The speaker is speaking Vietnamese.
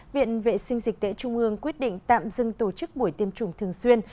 viện vệ sinh dịch tễ trung ương quyết định tạm dừng tổ chức buổi tiêm chủng thường xuyên